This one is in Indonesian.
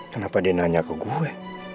kenapa dia nanya ke gue